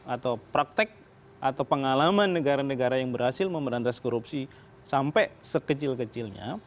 atau praktek atau pengalaman negara negara yang berhasil memberantas korupsi sampai sekecil kecilnya